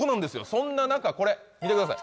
そんな中これ見てください